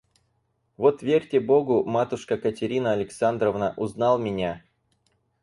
Вот верьте Богу, матушка Катерина Александровна, узнал меня!